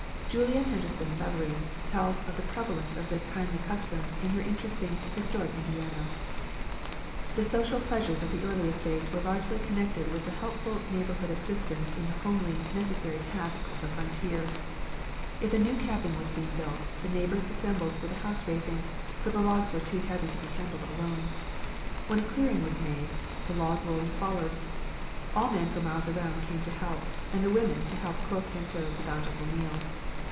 Julia Henderson Levering tells of the prevalence of this kindly custom in her interesting "Historic Indiana": "The social pleasures of the earliest days were largely connected with the helpful neighbourhood assistance in the homely, necessary tasks of the frontier. If a new cabin was to be built, the neighbours assembled for the house raising, for the logs were too heavy to be handled alone. When a clearing was made, the log rolling followed. All men for miles around came to help, and the women to help cook and serve the bountiful meals.